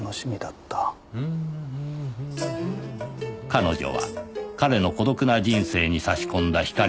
“彼女”は“彼の”孤独な人生に差し込んだ光だった